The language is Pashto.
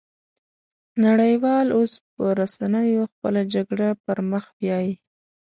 نړۍ وال اوس په رسنيو خپله جګړه پرمخ بيايي